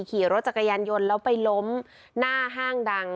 ขี่รถจักรยานยนต์แล้วไปล้มหน้าห้างดัง